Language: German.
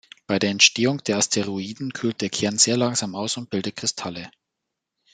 Bei der Entstehung der Asteroiden kühlt der Kern sehr langsam aus und bildet Kristalle.